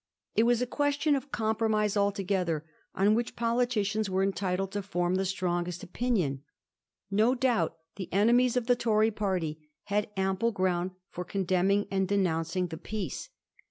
It was a question of compromise altogether, on which politicians were entitled to form the strongest opinions. No doubt the enemies of the Tory party had ample ground for condemning and denouncing the Peace.